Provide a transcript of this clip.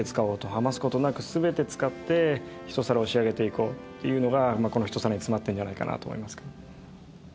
余す事なく全て使ってひと皿を仕上げていこうっていうのがこのひと皿に詰まってるんじゃないかなと思いますけど。